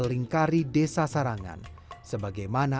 orang click debut pemerintah untuk pemasokan kambing kayu